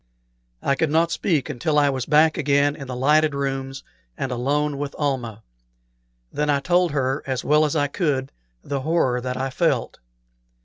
I could not speak until I was back again in the lighted rooms and alone with Almah; then I told her, as well as I could, the horror that I felt.